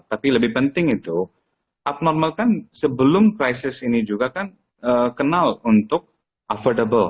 tapi lebih penting itu abnormal kan sebelum krisis ini juga kan kenal untuk affordable